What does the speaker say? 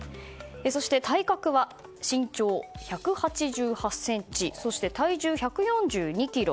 そして体格は身長１８８ｃｍ体重１４２ｋｇ。